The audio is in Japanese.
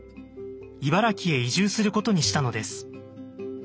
茨城へ移住することにしたのです。